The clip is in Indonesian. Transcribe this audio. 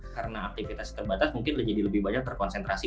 karena aktivitas yang terbatas mungkin menjadi lebih banyak terkonsentrasi